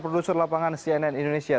produser lapangan cnn indonesia